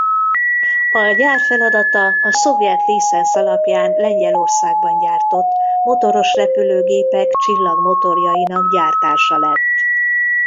A gyár feladata a szovjet licenc alapján Lengyelországban gyártott motoros repülőgépek csillagmotorjainak gyártása lett.